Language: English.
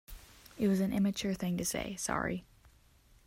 It was an immature thing to say, sorry.